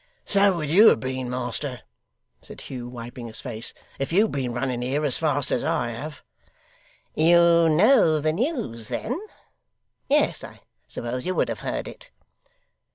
'So would you have been, master,' said Hugh, wiping his face, 'if you'd been running here as fast as I have.' 'You know the news, then? Yes, I supposed you would have heard it.